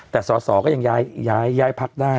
แต่สอสอก็ยังย้ายพักได้